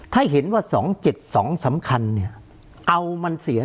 ถ้าเห็นว่า๒๗๒สำคัญเนี่ยเอามันเสีย